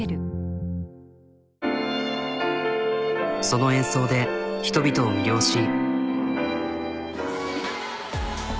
その演奏で人々を魅了し。